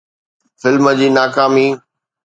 film جي ناڪامي